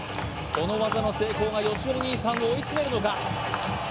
この技の成功がよしお兄さんを追い詰めるのか？